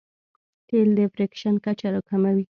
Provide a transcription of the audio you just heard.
تېل د فریکشن کچه راکموي.